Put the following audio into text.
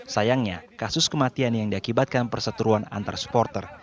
sayangnya kasus kematian yang diakibatkan perseteruan antar supporter